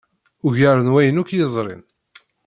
Ugar n wayen akk yezrin.